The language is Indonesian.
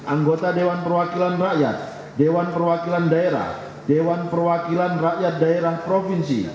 anggota dewan perwakilan rakyat dewan perwakilan daerah dewan perwakilan rakyat daerah provinsi